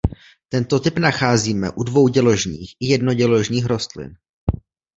Tento typ nacházíme u dvouděložných i jednoděložných rostlin.